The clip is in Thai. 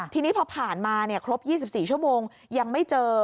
ทีนี้พอผ่านมาครบ๒๔ชั่วโมงยังไม่เจอ